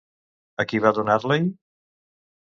A qui va donar-la-hi?